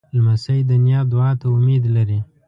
لمسی د نیا دعا ته امید لري.